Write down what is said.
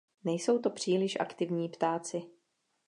Nejsou to příliš aktivní ptáci.